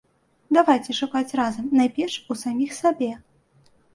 Давайце шукаць разам, найперш, у саміх сабе.